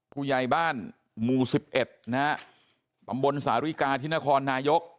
ผู้ใหญ่บ้านหมู่สิบเอ็ดนะฮะบำบลสาธาริกาทินครนายก